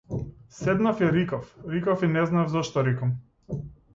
Седнав и рикав, рикав и не знаев зошто рикам.